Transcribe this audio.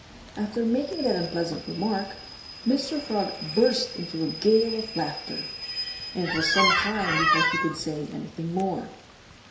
After making that unpleasant remark Mr. Frog burst into a gale of laughter. And it was some time before he could say anything more.